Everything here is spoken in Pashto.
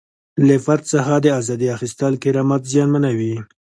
له فرد څخه د ازادۍ اخیستل کرامت زیانمنوي.